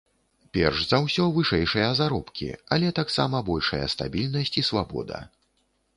Перш за ўсё вышэйшыя заробкі, але таксама большая стабільнасць і свабода.